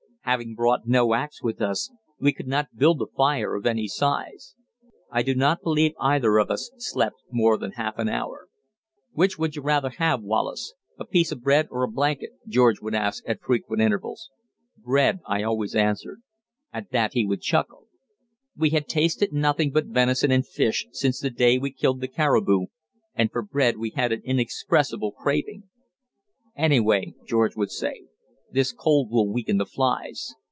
Having brought no axe with us, we could not build a fire of any size. I do not believe either of us slept more than half an hour. "Which would you rather have, Wallace, a piece of bread or a blanket?" George would ask at frequent intervals. "Bread," I always answered. At that he would chuckle. We had tasted nothing but venison and fish since the day we killed the caribou, and for bread we had an inexpressible craving. "Anyway," George would say, "this cold will weaken the flies."